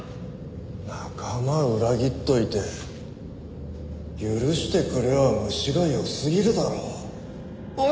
仲間裏切っといて許してくれは虫が良すぎるだろ。